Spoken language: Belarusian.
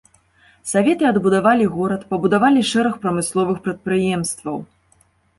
Саветы адбудавалі горад, пабудавалі шэраг прамысловых прадпрыемстваў.